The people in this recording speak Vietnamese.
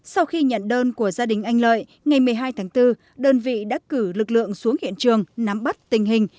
vườn của gia đình anh lợi ngày một mươi hai tháng bốn đơn vị đã cử lực lượng xuống hiện trường nắm bắt tình hình